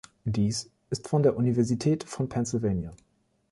Dies ist von der Universität von Pennsylvania.